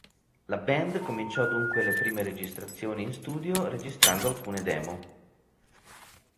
La band cominciò dunque le prime registrazioni in studio, registrando alcune demo.